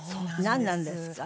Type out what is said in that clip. なんなんですか？